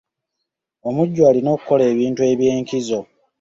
Omujjwa alina okukola ebintu eby'enkizo.